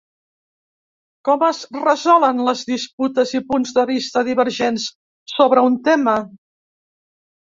Com es resolen les disputes i punts de vista divergents sobre un tema?